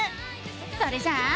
それじゃあ。